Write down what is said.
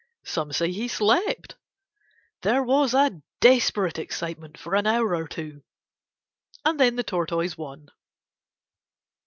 Some say he slept. There was desperate excitement for an hour or two, and then the Tortoise won.